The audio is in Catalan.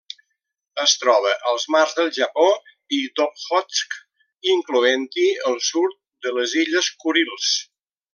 Es troba als mars del Japó i d'Okhotsk, incloent-hi el sud de les illes Kurils.